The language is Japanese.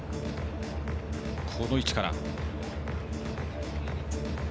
この位置から。